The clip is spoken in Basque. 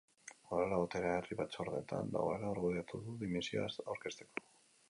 Horrela, boterea herri batzordeetan dagoela argudiatu du dimisioa ez aurkezteko.